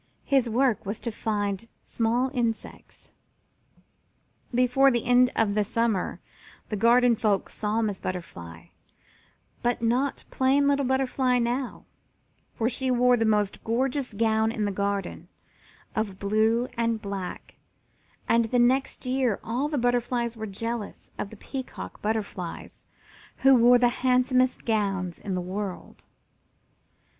His work was to find small insects. Before the end of the summer the garden folk saw Miss Butterfly, but not plain little Butterfly now, for she wore the most gorgeous gown in the garden, of blue and black, and the next year all the other butterflies were jealous of the Peacock Butterflies, who wore the handsomest gowns in the world.